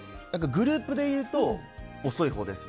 グループでいうと遅いほうです。